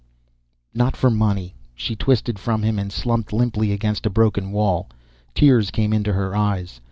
"Not for money." She twisted from him and slumped limply against a broken wall. Tears came into her eyes.